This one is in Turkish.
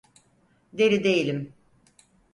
Deli değilim.